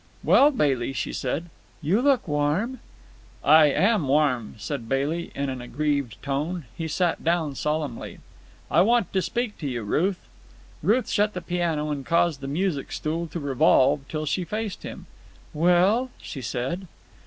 "Well, Bailey," she said, "you look warm." "I am warm," said Bailey in an aggrieved tone. He sat down solemnly. "I want to speak to you, Ruth." Ruth shut the piano and caused the music stool to revolve till she faced him. "Well?" she said.